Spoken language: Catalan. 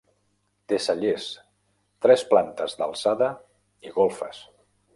Té cellers, tres plantes d'alçada i golfes.